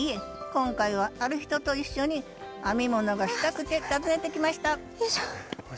今回はある人と一緒に編み物がしたくて訪ねてきましたよいしょ。